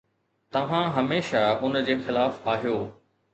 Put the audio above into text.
توهان هميشه ان جي خلاف آهيو